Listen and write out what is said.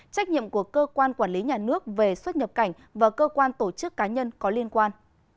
trách nhiệm của cơ quan quản lý nhà nước về xuất nhập cảnh và cơ quan tổ chức cá nhân có liên quan